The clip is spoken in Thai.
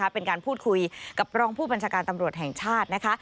เป็นการพูดคุยกับรองผู้บัญชาการตำรวจแห่งชาตินะคะ